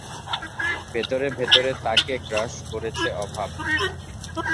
ভেতরে ভেতরে তাকে গ্রাস করেছে অভাব।